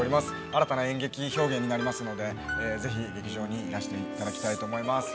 新たな演劇表現になりますので、ぜひ劇場にいらしていただきたいと思います。